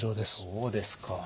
そうですか。